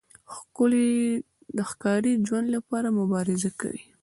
ښکاري د ژوند لپاره مبارزه کوي.